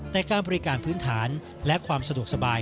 แต่การบริการพื้นฐานและความสะดวกสบาย